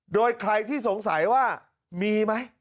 โดยใครที่สงสัยว่ามีไหม